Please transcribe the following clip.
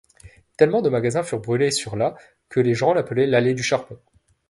Tellement de magasins furent brulés sur la que les gens l'appelaient l'allée du charbon.